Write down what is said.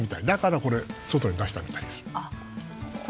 だからこれ外に出したみたいです。